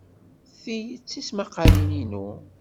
Ti d tismaqqalin-inu.